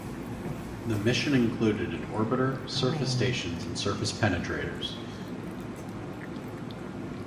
The mission included an orbiter, surface stations and surface penetrators.